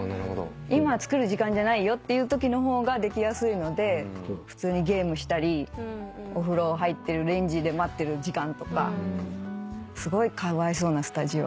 今作る時間じゃないよってときの方ができやすいので普通にゲームしたりお風呂入ってるレンジで待ってる時間とかすごいかわいそうなスタジオ。